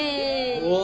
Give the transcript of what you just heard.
うわ！